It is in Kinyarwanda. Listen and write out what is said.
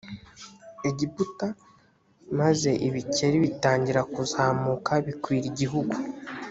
egiputa maze ibikeri bitangira kuzamuka bikwira igihugu